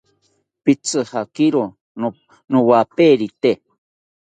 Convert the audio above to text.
Pitzijakiro nowaperite